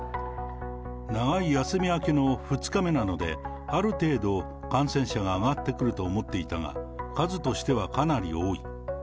長い休み明けの２日目なので、ある程度感染者が上がってくると思っていたが、数としてはかなり多い。